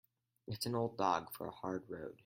It's an old dog for a hard road.